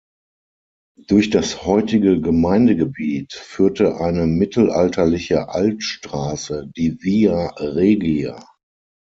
Durch das heutige Gemeindegebiet führte eine mittelalterliche Altstraße, die Via Regia.